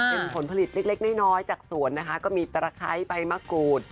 เป็นผลผลิตเล็กน้อยจากสวนนะคะก็มีตะไคร้ใบมะกรูด